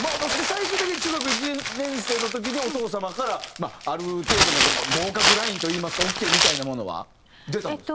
最終的に中学１年生の時にお父様からある程度の合格ラインといいますかオーケーみたいなものは出たんですか？